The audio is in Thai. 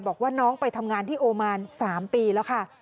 บอกว่าน้องไปทำงานที่โอมาน๓ปีแล้วค่ะ